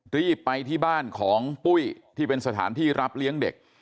รีบไปที่บ้านของปุ้ยที่เป็นสถานที่รับเลี้ยงเด็ก